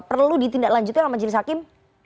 perlu ditindaklanjuti oleh majelis hakim